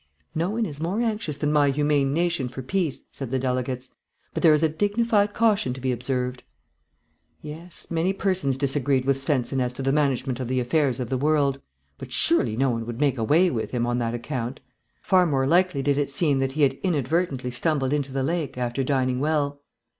("No one is more anxious than my humane nation for peace," said the delegates, "but there is a dignified caution to be observed.") Yes; many persons disagreed with Svensen as to the management of the affairs of the world; but surely no one would make away with him on that account. Far more likely did it seem that he had inadvertently stumbled into the lake, after dining well.